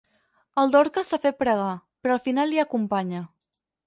El Dorca s'ha fet pregar, però al final l'hi acompanya.